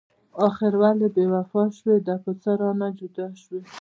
اخر ولې بې وفا شوي؟ دا په څه رانه جدا شوي؟